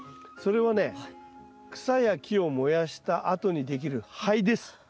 それはね草や木を燃やしたあとに出来る灰です。